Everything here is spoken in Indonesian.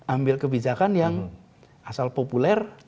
ambil kebijakan yang asal populer